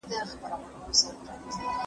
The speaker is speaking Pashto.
هغه په پوره ارمان سره خپل زوی ته دعاګانې کولې.